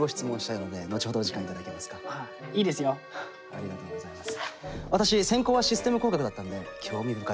ありがとうございます。